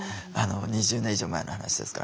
２０年以上前の話ですから。